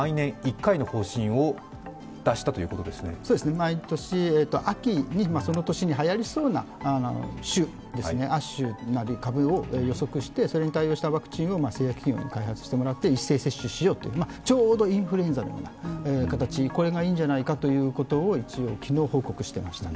毎年秋に、その年にはやりそうな種、亜種なり株を予測して、それに対応したワクチンを製薬企業に開発してもらって一斉接種しようと、ちょうどインフルエンザの形、これがいいんじゃないかということを昨日報告していましたね。